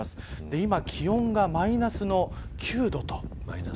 今気温がマイナス９度と。